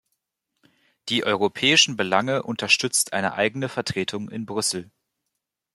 Die europäischen Belange unterstützt eine eigene Vertretung in Brüssel.